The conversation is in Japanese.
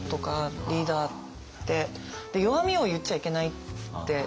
弱みを言っちゃいけないって。